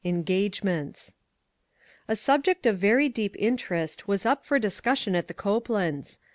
ENGAGEMENTS. A SUBJECT of very deep interest was up for discussion at the Copelands.